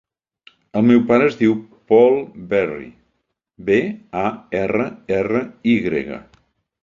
El meu pare es diu Pol Barry: be, a, erra, erra, i grega.